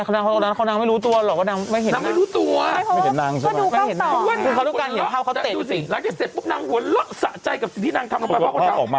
คนนั้นไม่รู้ตัวหรอกนางไม่เห็น